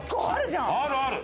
あるある！